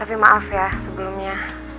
tapi maaf ya sebelumnya